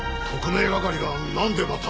特命係がなんでまた。